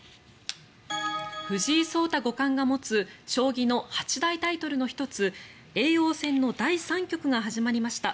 藤井聡太五冠が持つ将棋の八大タイトルの１つ叡王戦の第３局が始まりました。